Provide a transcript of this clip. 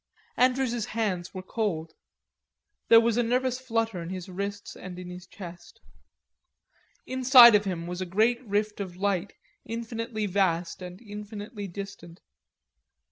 Andrews's hands were cold. There was a nervous flutter in his wrists and in his chest. Inside of him was a great rift of light, infinitely vast and infinitely distant.